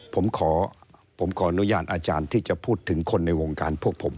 ผมขอผมขออนุญาตอาจารย์ที่จะพูดถึงคนในวงการพวกผม